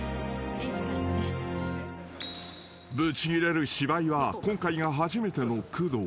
［ブチギレる芝居は今回が初めての工藤］